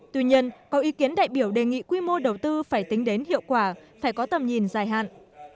tuy nhiên có ý kiến đại biểu đề nghị quy mô đầu tư phải tính đến hiệu quả phải có tầm nhìn dài hạn